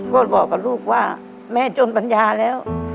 ก็บอกกับลูกว่าแม่จนปัญญาแล้ว